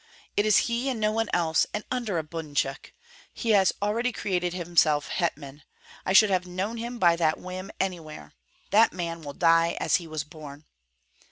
"It is he, and no one else, and under a bunchuk! He has already created himself hetman. I should have known him by that whim anywhere. That man will die as he was born."